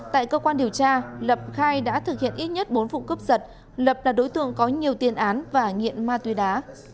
tại cơ quan điều tra lập khai đã thực hiện ít nhất bốn vụ cướp giật lập là đối tượng có nhiều tiền án và nghiện ma túy đá